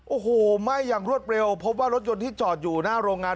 โอ้โหไหม้อย่างรวดเร็วพบว่ารถยนต์ที่จอดอยู่หน้าโรงงาน